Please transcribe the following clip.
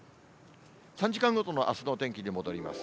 ３時間ごとのあすのお天気に戻ります。